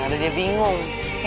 ada dia bingung